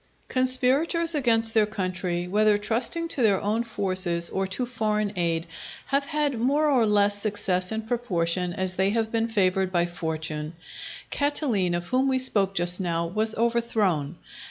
Conspirators against their country, whether trusting to their own forces or to foreign aid, have had more or less success in proportion as they have been favoured by Fortune. Catiline, of whom we spoke just now, was overthrown.